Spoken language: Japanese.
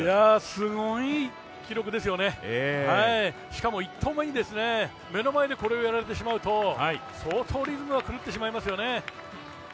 すごい記録ですよね、しかも１投目に目の前でこれをやられてしまうと相当リズムが狂ってしまいますよね。